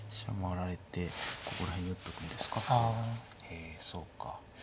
へえそうか。